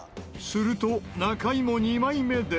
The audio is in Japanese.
すると中井も２枚目で。